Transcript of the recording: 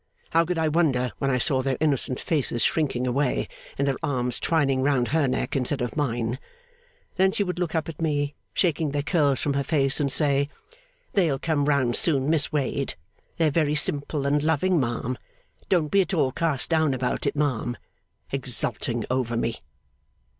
How could I wonder, when I saw their innocent faces shrinking away, and their arms twining round her neck, instead of mine? Then she would look up at me, shaking their curls from her face, and say, 'They'll come round soon, Miss Wade; they're very simple and loving, ma'am; don't be at all cast down about it, ma'am' exulting over me!